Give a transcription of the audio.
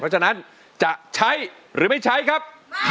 เพราะฉะนั้นจะใช้หรือไม่ใช้ครับ